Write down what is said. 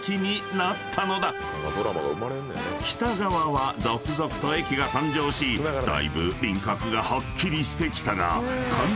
［北側は続々と駅が誕生しだいぶ輪郭がはっきりしてきたが］